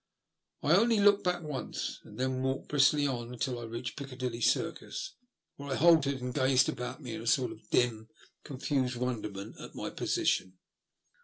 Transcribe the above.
I only ^^'^V^^K 100 TfiE LtST OS" HATB. looked back once, and then walked briskly on until I reached Piccadilly Circus, where I halted and gazed about me in a sort of dim confused wonderment at my position.